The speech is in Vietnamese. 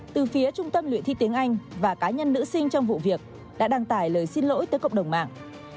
từ phía trung tâm luyện thi tiếng anh và cá nhân nữ sinh trong vụ việc đã đăng tải lời xin lỗi tới cộng đồng mạng